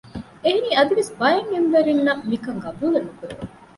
އެހެނީ އަދިވެސް ބައެއް ޢިލްމުވެރިންނަށް މިކަންކަން ޤަބޫލެއް ނުކުރެވެ